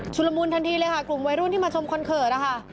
ละมุนทันทีเลยค่ะกลุ่มวัยรุ่นที่มาชมคอนเสิร์ตนะคะ